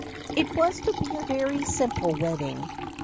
It was to be a very simple wedding.